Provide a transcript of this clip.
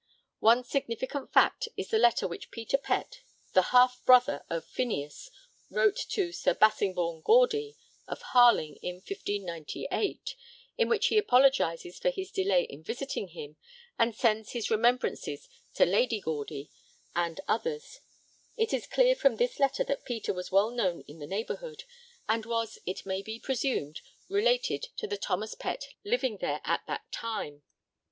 One significant fact is the letter which Peter Pett, the half brother of Phineas, wrote to Sir Bassingbourn Gawdy of Harling, in 1598, in which he apologises for his delay in visiting him and sends his remembrances to Lady Gawdy and others: it is clear from this letter that Peter was well known in the neighbourhood, and was, it may be presumed, related to the Thomas Pett living there at that time.